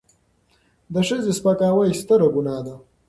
د ښځې سپکاوی ستره ګناه ده.